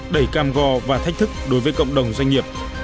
đầy cam go và thách thức đối với cộng đồng doanh nghiệp